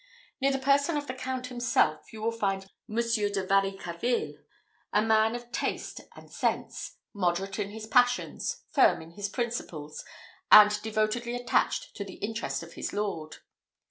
Near the person of the count himself, you will find Monsieur de Varicarville, a man of talent and of sense, moderate in his passions, firm in his principles, and devotedly attached to the interest of his lord.